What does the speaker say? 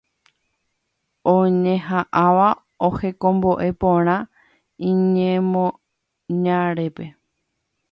oñeha'ãva ohekombo'e porã iñemoñarépe.